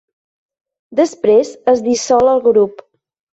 Després es dissol el grup.